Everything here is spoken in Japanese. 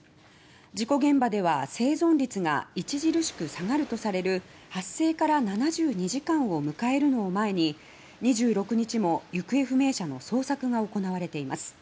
事故現場では生存率が著しく下がるとされる発生から７２時間を迎えるのを前に２６日も行方不明者の捜索が行われています。